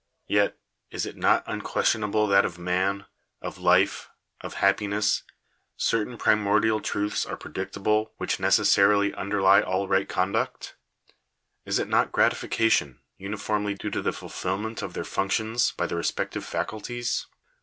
Yet, is it not unquestionable that of man, of life, of happiness, certain primordial truths are predicable which ne cessarily underlie all right conduct ? Is not gratification uni formly due to the fulfilment of their functions by the respective faculties